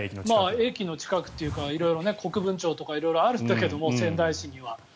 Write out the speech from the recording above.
駅の近くというか国分町とか色々あるんだけど仙台市には。